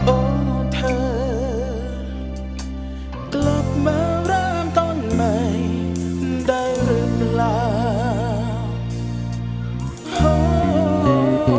โอ้เธอกลับมาเริ่มต้นใหม่ได้หรือเปล่า